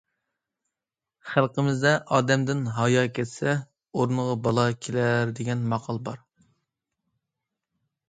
خەلقىمىزدە‹‹ ئادەمدىن ھايا كەتسە، ئورنىغا بالا كېلەر›› دېگەن ماقال بار.